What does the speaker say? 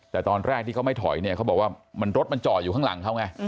แต่ตอนแรกที่เขาไม่ถอยเนี่ยเขาบอกว่ารถมันจอดอยู่ข้างหลังเขาไง